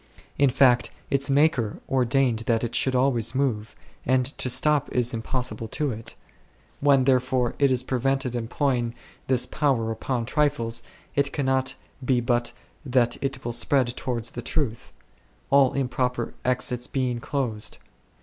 In fact, its Maker ordained that it should always move, and to stop is impossible to it ; when therefore it is prevented employing this power upon trifles, it cannot be but that it will speed toward the truth, all improper exits being closed.